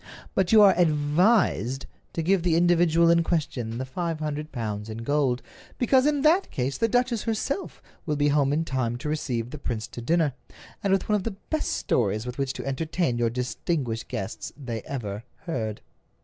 But you are advised to give the individual in question the five hundred pounds in gold, because in that case the duchess herself will be home in time to receive the prince to dinner, and with one of the best stories with which to entertain your distinguished guests they ever heard.